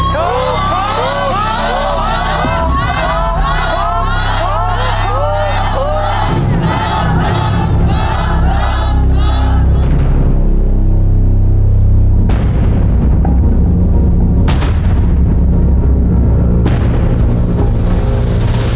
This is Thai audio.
ควบคุม